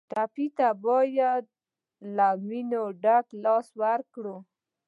ټپي ته باید له مینې ډک لاس ورکړو.